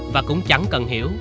và cũng chẳng cần hiểu